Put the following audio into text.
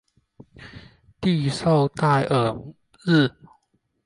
蒂绍代尔日。